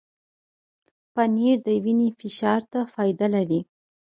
پنېر د وینې فشار ته فایده لري.